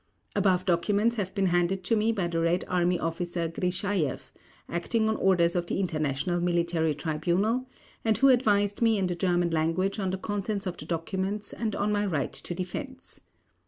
Above documents have been handed to me by the Red Army Officer Grishajeff, acting on orders of the International Military Tribunal and who advised me in the German language on the contents of the documents and on my right to defense.